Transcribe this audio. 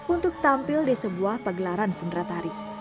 untuk tampil di sebuah tangga